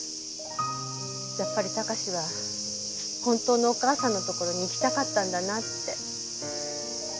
やっぱり貴史は本当のお母さんのところに行きたかったんだなって。